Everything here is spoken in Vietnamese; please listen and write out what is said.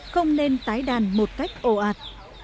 không nên tái đàn một cách ồ ạt